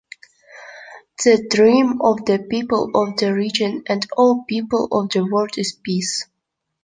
The dream of the people of the region and all people of the world is peace.